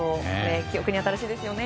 記憶に新しいですよね。